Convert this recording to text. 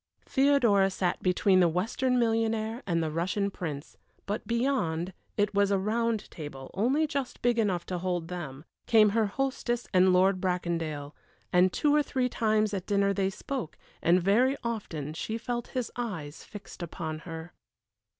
Theodora sat between the Western millionaire and the Russian Prince, but beyond it was a round table, only just big enough to hold them came her hostess and Lord Bracondale, and two or three times at dinner they spoke, and very often she felt his eyes fixed upon her.